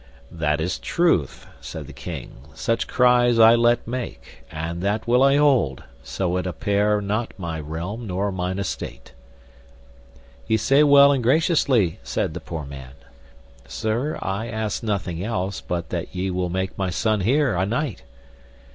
That is truth, said the king, such cries I let make, and that will I hold, so it apair not my realm nor mine estate. Ye say well and graciously, said the poor man; Sir, I ask nothing else but that ye will make my son here a knight.